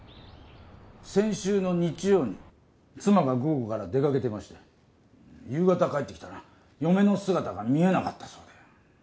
先週の日曜に妻が午後から出かけてまして夕方帰ってきたら嫁の姿が見えなかったそうで。